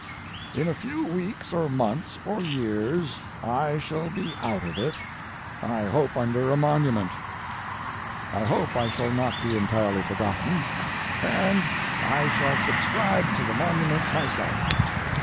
In a few weeks or months or years I shall be out of it, I hope under a monument. I hope I shall not be entirely forgotten, and I shall subscribe to the monument myself.